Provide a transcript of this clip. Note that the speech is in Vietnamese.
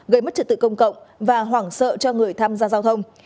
gây mất trật tự công cộng và hoảng sợ cho người tham gia giao thông